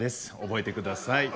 覚えてください。